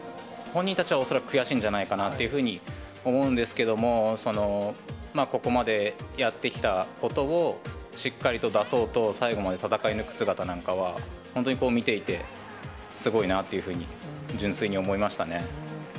本人たちは恐らく悔しいんじゃないかなというふうに思うんですけども、ここまでやってきたことを、しっかりと出そうと、最後まで戦い抜く姿なんかは、本当に見ていて、すごいなっていうふうに、純粋に思いましたね。